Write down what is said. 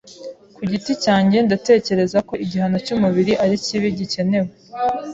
Ku giti cyanjye, ndatekereza ko igihano cyumubiri ari kibi gikenewe.